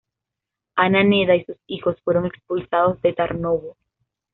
Ana Neda y sus hijos fueron expulsados de Tarnovo.